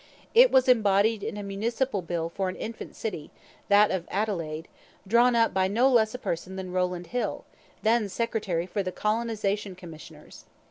It was embodied in a Municipal Bill for an infant city that of Adelaide drawn up by no less a person than Rowland Hill, then Secretary for the Colonisation Commissioners.